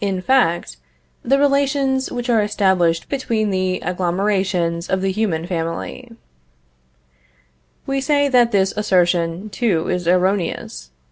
You only contend that it governs in fact, the relations which are established between the agglomerations of the human family. We say that this assertion too is erroneous.